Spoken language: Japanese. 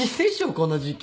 この時期。